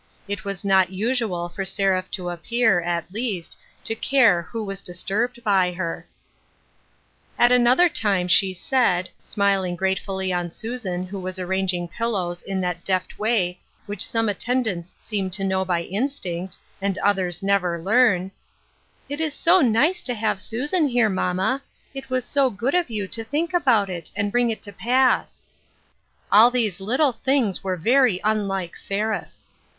It was not usual for Seraph to appear, at least, to care who was dis turbed by her. At another time she said, smiling gratefully on Susan who was arranging pillows in that deft way which some attendants seem to know by instinct, and others never learn, " It is so nice to have Susan here, mamma ; it was so good of you to think about it, and bring it to pass." 252 TRANSFORMATION. All these little things were very unlike Seraph.